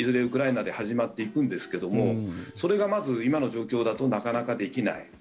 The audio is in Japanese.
ウクライナで始まっていくんですけどもそれがまず今の状況だとなかなかできない。